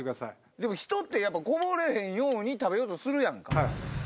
でも人ってやっぱこぼれへんように食べようとするやんか。